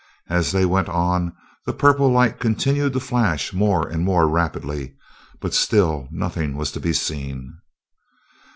As they went on, the purple light continued to flash more and more rapidly, but still nothing was to be seen.